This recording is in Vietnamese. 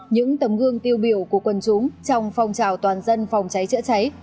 những tấm gương tiêu biểu của quân chúng trong phòng trào toàn dân phòng cháy chữa cháy